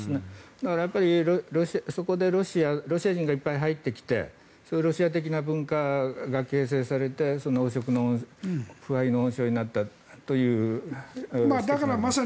だからそこでロシア人がいっぱい入ってきてロシア的な文化が形成されて汚職の腐敗の温床になったという指摘もありますね。